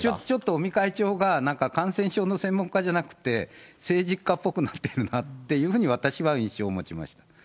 ちょっと尾身会長がなんか感染症の専門家じゃなくて、政治家っぽくなっているなっていうふうに、私は印象を持ちました。